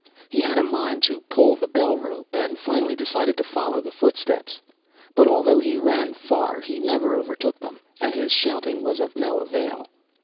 He had a mind to pull the bell rope, and finally decided to follow the footsteps. But, although he ran far, he never overtook them; and his shouting was of no avail.